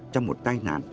trong một tai nạn